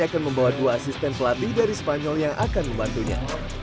akan membawa dua asisten pelatih dari spanyol yang akan membantunya